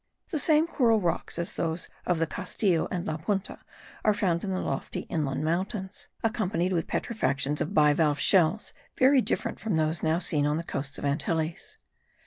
The same coral rocks as those of the Castillo and La Punta are found in the lofty inland mountains, accompanied with petrifications of bivalve shells, very different from those now seen on the coasts of the Antilles.